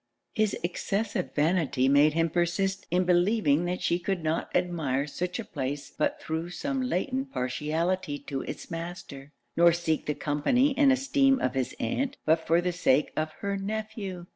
' His excessive vanity made him persist in believing that she could not admire such a place but thro' some latent partiality to it's master; nor seek the company and esteem of his aunt, but for the sake of her nephew.